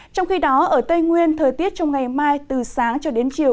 trong khi đó ở tây nguyên thời tiết trong ngày mai từ sáng cho đến chiều